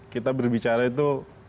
kita berbicara itu